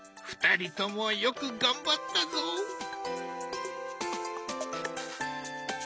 ２人ともよく頑張ったぞ。